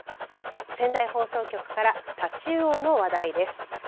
仙台放送局からタチウオの話題です。